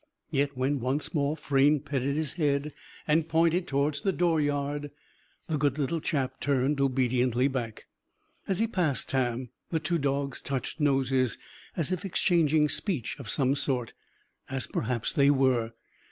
Yet, when, once more, Frayne petted his head and pointed towards the dooryard, the good little chap turned obediently back. As he passed Tam, the two dogs touched noses; as if exchanging speech of some sort; as perhaps they were.